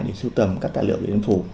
để sưu tầm các tài liệu điện phủ